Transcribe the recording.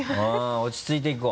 落ち着いていこう。